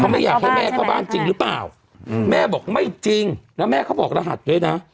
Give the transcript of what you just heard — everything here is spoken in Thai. แม่เข้าบ้านจริงหรือเปล่าอืมแม่บอกไม่จริงแล้วแม่เขาบอกรหัสด้วยน่ะ